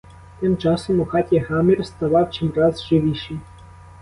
Тим часом у хаті гамір ставав чимраз живіший.